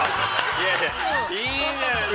◆いやいやいいんじゃないですか。